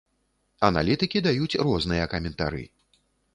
Аналітыкі даюць розныя каментары.